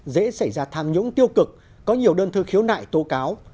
dễ xảy ra tham nhũng tiêu cực có nhiều đơn thư khiếu nại tố cáo